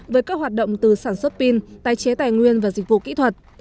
với các hoạt động từ sản xuất pin tài chế tài nguyên và dịch vụ kỹ thuật